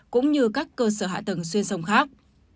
cũng như các cơ sở hạ tầng xuyên sông khác